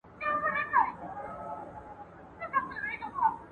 که ماشوم ته ارزښت ورکړو، نو هغه به خوشحال وي.